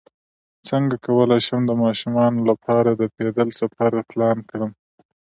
څنګه کولی شم د ماشومانو لپاره د پیدل سفر پلان کړم